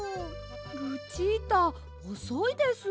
ルチータおそいです。